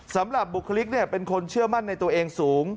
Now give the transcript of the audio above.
สำหรับบุคลิกเป็นคนเชื่อมั่นในตัวเองสูง